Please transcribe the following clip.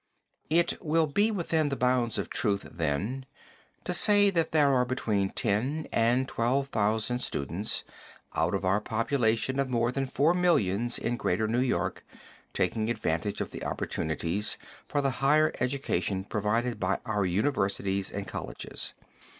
It will be within the bounds of truth, then, to say, that there are between ten and twelve thousand students, out of our population of more than four millions in Greater New York taking advantage of the opportunities for the higher education provided by our universities and colleges.